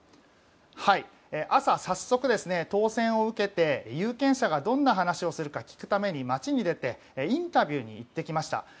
朝、早速当選を受けて有権者がどんな話をするか聞くために街に出てインタビューに行ってきました。